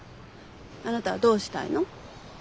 あなたはどうしたいの？